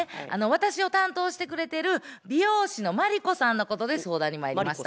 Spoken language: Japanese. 私を担当してくれてる美容師のマリコさんのことで相談にまいりました。